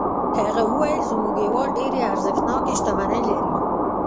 هغه وویل زموږ هېواد ډېرې ارزښتناکې شتمنۍ لري.